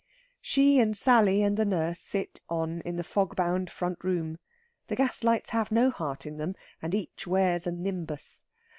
She and Sally and the nurse sit on in the fog bound front room. The gas lights have no heart in them, and each wears a nimbus.